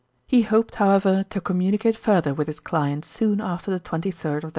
He hoped, however, to communicate further with his client soon after the 23rd of that month.